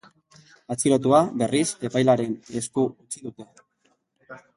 Atxilotua, berriz, epailearen esku utzi dute.